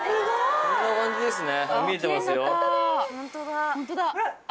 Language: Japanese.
こんな感じですね。